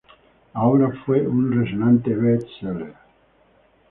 La obra fue un resonante best-seller.